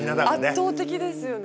圧倒的ですよね。